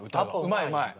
うまいうまい。